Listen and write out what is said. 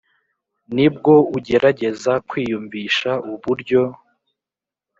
ni bwo ugerageza kwiyumvisha uburyo